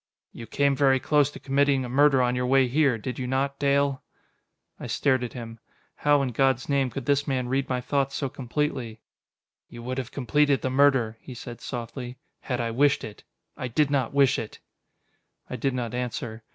"You came very close to committing a murder on your way here, did you not, Dale?" I stared at him. How, in God's name, could this man read my thoughts so completely? "You would have completed the murder," he said softly, "had I wished it. I did not wish it!" I did not answer.